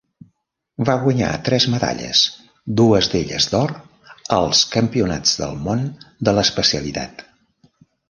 Va guanyar tres medalles, dues d'elles d'or, als Campionats del Món de l'especialitat.